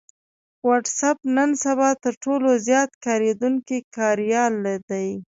وټس اېپ نن سبا تر ټولو زيات کارېدونکی کاريال دی